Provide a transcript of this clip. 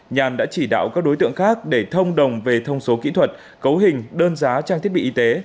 nhàn đã chỉ đạo các đối tượng khác để thông đồng về thông số kỹ thuật cấu hình đơn giá trang thiết bị y tế